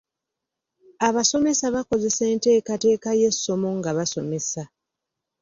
Abasomesa bakozesa enteekateeka y'essomo nga basomesa.